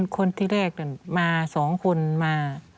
คนที่แรกมา๒คนมา